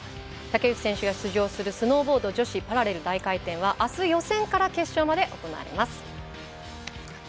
竹内選手が出場するスノーボード女子パラレル大回転はあす予選から決勝まで行われます。